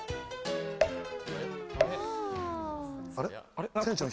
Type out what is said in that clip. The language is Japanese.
あれ？